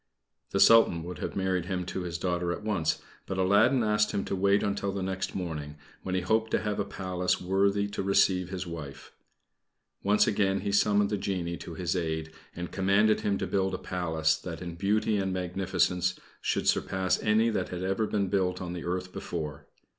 The Sultan would have married him to his daughter at once; but Aladdin asked him to wait until the next morning, when he hoped to have a Palace worthy to receive his wife. Once again he summoned the genie to his aid, and commanded him to build a Palace that in beauty and magnificence should surpass any that had ever been built on the earth before.